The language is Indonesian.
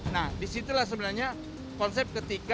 nah disitulah sebenarnya konsep ketika